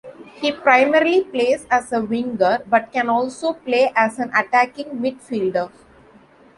He primarily plays as a winger, but can also play as an attacking midfielder.